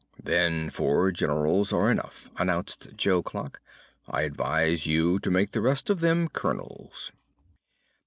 "Then four Generals are enough," announced Jo Clock. "I advise you to make the rest of them Colonels."